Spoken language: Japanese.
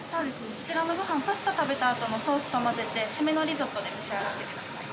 そちらのごはん、パスタ食べたあとのソースと混ぜて、締めのリゾットで召し上がってください。